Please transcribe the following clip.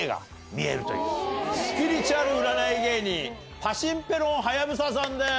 スピリチュアル占い芸人パシンペロンはやぶささんです！